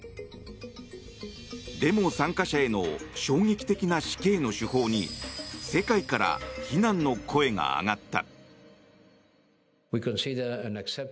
デモ参加者への衝撃的な死刑の手法に世界から非難の声が上がった。